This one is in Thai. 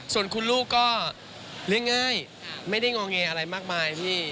ส่วนคุณลูกก็เรื่องง่ายไม่ได้งอแงอะไรมากมายพี่